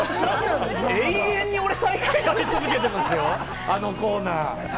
永遠に最下位が出続けてくるんですよ、あのコーナー。